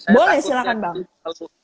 boleh silahkan bang